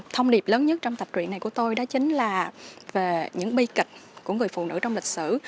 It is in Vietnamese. thông điệp lớn nhất trong tập luyện này của tôi đó chính là về những bi kịch của người phụ nữ trong lịch sử